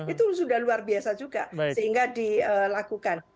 itu sudah luar biasa juga sehingga dilakukan